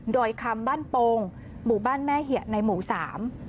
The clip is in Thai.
โดยคำบ้านโปงหมู่บ้านแม่เหยะในหมู่สาม